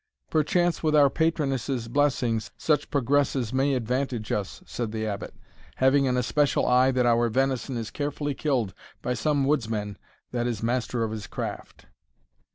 "Perchance, with our patroness's blessing, such progresses may advantage us," said the Abbot; "having an especial eye that our venison is carefully killed by some woodsman that is master of his craft."